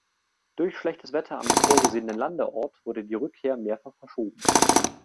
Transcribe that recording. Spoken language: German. Durch schlechtes Wetter am vorgesehenen Landeort wurde die Rückkehr mehrfach verschoben.